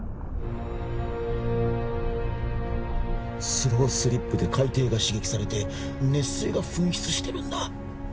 スロースリップで海底が刺激されて熱水が噴出してるんだ